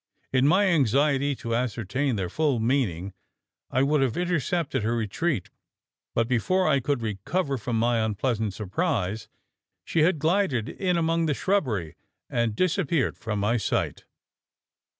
In my anxiety to ascertain their full meaning, I would have intercepted her retreat; but before I could recover from my unpleasant surprise, she had glided in among the shrubbery, and disappeared from my sight.